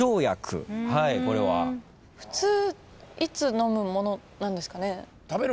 普通いつ飲むものなんですかね？